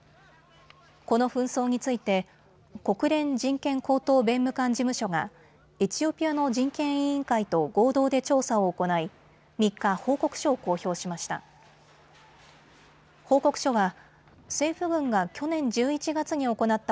この紛争について国連人権高等弁務官事務所がエチオピアの人権委員会と合同で調査を行い３日、報告書を公表しました。